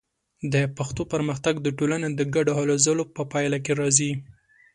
د پښتو پرمختګ د ټولنې د ګډو هلو ځلو په پایله کې راځي.